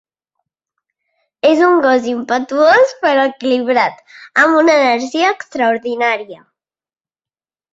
És un gos impetuós però equilibrat, amb una energia extraordinària.